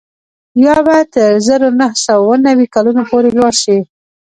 یا به تر زر نه سوه اووه نوي کلونو پورې لوړ شي